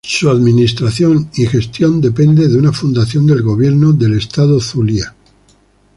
Su administración y gestión depende de una Fundación del gobierno del Estado Zulia.